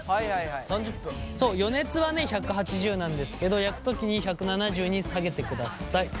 そう予熱はね１８０なんですけど焼く時に１７０に下げてください。